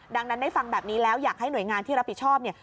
ดังนั้นได้ฟังแบบนี้แล้วอยากให้หน่วยงานที่รับผิดชอบเนี่ย